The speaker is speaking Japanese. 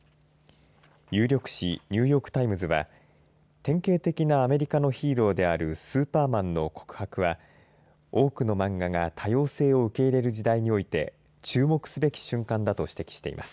有力紙ニューヨーク・タイムズは典型的なアメリカのヒーローであるスーパーマンの告白は多くの漫画が多様性を受け入れる時代において注目すべき瞬間だと指摘しています。